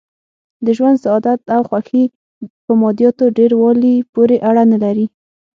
د ژوند سعادت او خوښي په مادیاتو ډېر والي پورې اړه نه لري.